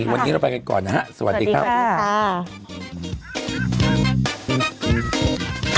วันนี้เราไปกันก่อนนะฮะสวัสดีค่ะสวัสดีค่ะ